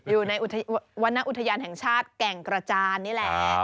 อยู่ในวรรณอุทยานแห่งชาติแก่งกระจานนี่แหละ